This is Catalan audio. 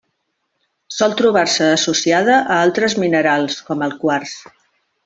Sol trobar-se associada a altres minerals com el quars.